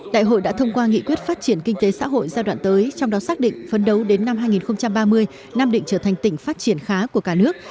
đại hội đã thông qua nghị quyết phát triển kinh tế xã hội giai đoạn tới trong đó xác định phấn đấu đến năm hai nghìn ba mươi nam định trở thành tỉnh phát triển khá của cả nước